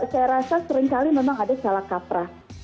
saya rasa seringkali memang ada salah kaprah